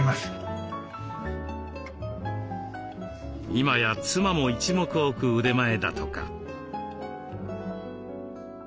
今や妻も一目置く腕前だとか。